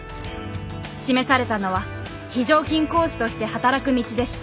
示されたのは非常勤講師として働く道でした。